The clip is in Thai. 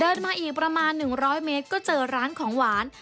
มาอีกประมาณ๑๐๐เมตรก็เจอร้านของหวาน